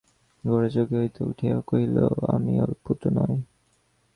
গোরা চকিত হইয়া উঠিয়া কহিল, আমি ওঁর পুত্র নই?